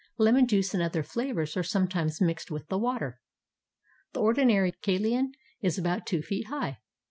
Lemon juice and other flavors are sometimes mixed with the water. The ordinary kalean is about two feet high.